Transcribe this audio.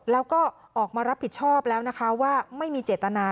แล้วก็ออกมารับผิดชอบแล้วนะคะว่าไม่มีเจตนา